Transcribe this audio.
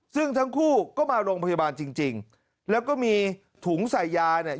ซึ่งทั้งคู่ก็มาโรงพยาบาลจริงแล้วก็มีถุงใส่ยาเนี่ย